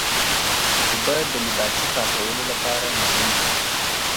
اوبه د لباسي پاکولو لپاره مهمې دي.